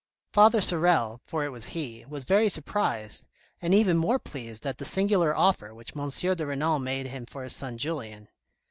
Father Sorel (for it was he) was very surprised, and even more pleased at the singular offer which M. de Renal made him for his son Julien.